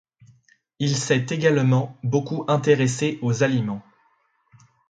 Il s'est également beaucoup intéressé aux aliments.